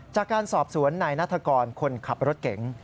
จากการสอบสวนนายนัฐกรคนขับรถเก๋ง